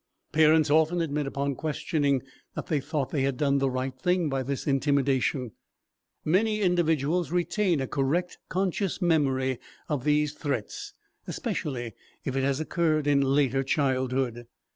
Parents often admit upon questioning that they thought they had done the right thing by this intimidation; many individuals retain a correct, conscious memory of these threats, especially if it has occurred in later childhood.